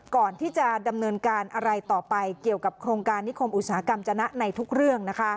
ก่อนที่จะดำเนินการอะไรต่อไปเกี่ยวกับโครงการนิคมอุตสาหกรรมจนะในทุกเรื่อง